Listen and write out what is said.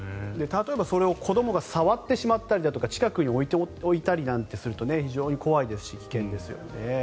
例えばそれを子どもが触ってしまったりだとか近くに置いたりとすると非常に怖いですし危険ですよね。